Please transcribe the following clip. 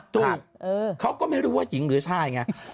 ถูกเขาก็ไม่รู้ว่าหญิงหรือชายไง